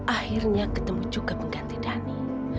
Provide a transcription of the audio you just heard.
akhirnya ketemu juga pengganti dhani